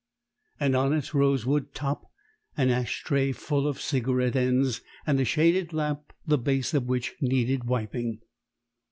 and on its rosewood top an ash tray full of cigarette ends and a shaded lamp the base of which needed wiping.